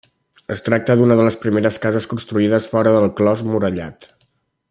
Es tracta d'una de les primeres cases construïdes fora del clos murallat.